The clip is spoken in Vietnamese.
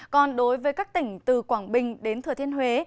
còn đối với các tỉnh từ quảng bình đến thừa thiên huế